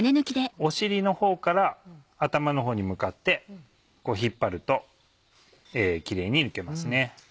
尻のほうから頭のほうに向かって引っ張るときれいに抜けますね。